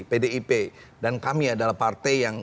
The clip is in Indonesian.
pdip dan kami adalah partai yang